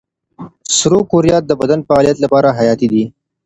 سرو کرویات د بدن د فعالیت لپاره حیاتي دي.